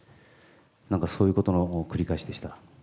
なんかそういうことの繰り返しでした。